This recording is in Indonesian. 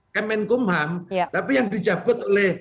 kemenkumham tapi yang dicabut oleh